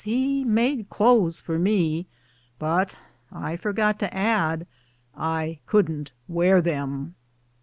he made clothes for me, but, I forgot to add, I couldn't wear them."